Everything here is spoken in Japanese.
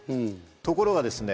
ところがですね